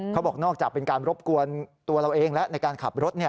เขาบอกนอกจากเป็นการรบกวนตัวเราเองแล้วในการขับรถ